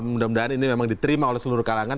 mudah mudahan ini memang diterima oleh seluruh kalangan